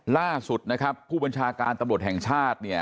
ล่าสุดนะครับผู้บัญชาการตำรวจแห่งชาติเนี่ย